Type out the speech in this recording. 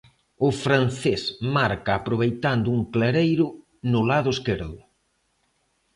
O francés marca aproveitando un clareiro no lado esquerdo.